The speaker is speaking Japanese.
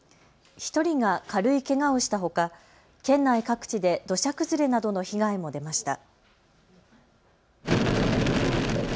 １人が軽いけがをしたほか県内各地で土砂崩れなどの被害も出ました。